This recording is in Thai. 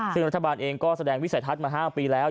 ซึ่งรัฐบาลเองก็แสดงวิสัยทัศน์มา๕ปีแล้ว